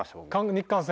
日韓戦？